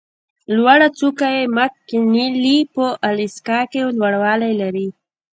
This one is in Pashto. لوړه څوکه یې مک کینلي په الاسکا کې لوړوالی لري.